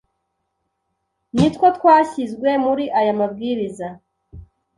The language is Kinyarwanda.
ni two twashyizwe muri aya mabwiriza